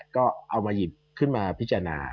ก็เอามาหยิบขึ้นมาพิจารณา